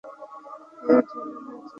কেউ যেন না জানে।